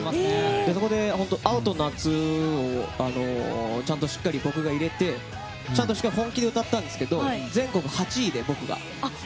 そこで「青と夏」をちゃんとしっかり僕が入れて本気で歌ったんですけど全国８位で、僕が。